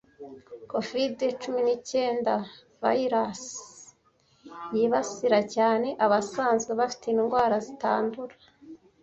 covid cumi n'icyenda virus yibasira cyane abasanzwe bafite indwara zitandura